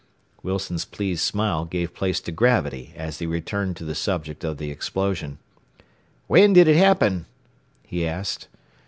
Wilson's pleased smile gave place to gravity as he returned to the subject of the explosion. "When did it happen?" he asked.